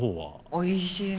おいしいの。